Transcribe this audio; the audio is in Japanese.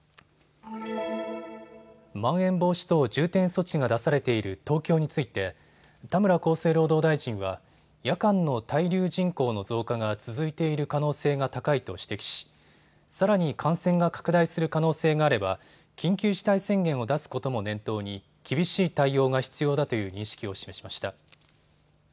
まん延防止等重点措置が出されている東京について田村厚生労働大臣は夜間の滞留人口の増加が続いている可能性が高いと指摘し、さらに感染が拡大する可能性があれば緊急事態宣言を出すことも念頭に厳しい対応が必要だという認識を示しました。